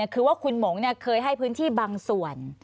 คือว่าคุณหมงเคยให้พื้นที่บางส่วน